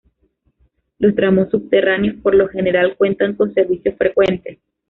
Los tramos subterráneos por lo general cuentan con servicios frecuentes.